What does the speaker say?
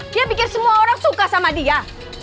dia pikir semua orang suka sama dia